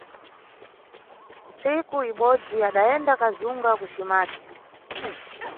Ntsiku ibodzi adayenda kazunga ku Cimadzi.